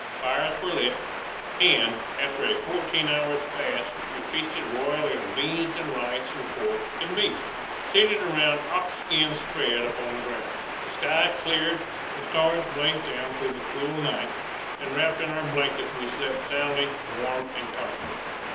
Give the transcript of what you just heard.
Fires were lit, and after a fourteen hours' fast we feasted royally on beans and rice and pork and beef, seated around ox skins spread upon the ground. The sky cleared; the stars blazed down through the cool night; and wrapped in our blankets we slept soundly, warm and comfortable.